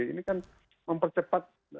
ini kan mempercepat